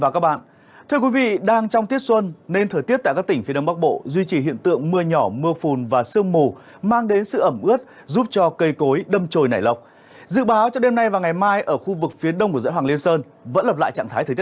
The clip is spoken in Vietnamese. các bạn hãy đăng ký kênh để ủng hộ kênh của chúng mình nhé